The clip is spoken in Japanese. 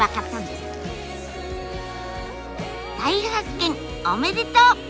大発見おめでとう！